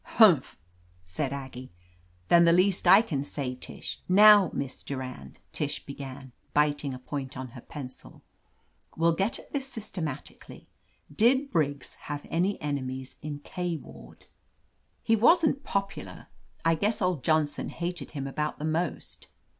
"Humph!" said Aggie. "Then the least I can say, Tish —" *'Now, Miss Durand," Tish began, biting a point on her pencil. "We'll get at this sys tematically. Did Briggs have any enemies in K Ward?" 152 / OF LETITIA CARBERRY "He wasn't popular. I guess old Johnson hated him about the most."